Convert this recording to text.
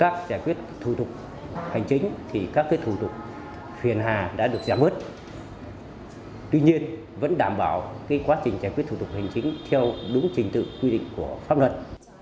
tuy nhiên vẫn đảm bảo quá trình giải quyết thủ tục hành chính theo đúng trình tự quy định của pháp luật